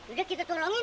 udah kita tolongin